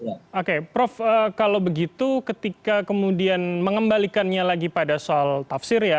oke prof kalau begitu ketika kemudian mengembalikannya lagi pada soal tafsir ya